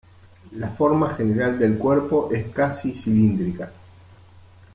La forma general del cuerpo es casi cilíndrica.